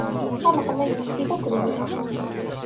Ameɣlal ittili akked Yusef.